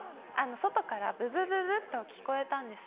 外からブブブブと聞こえたんです。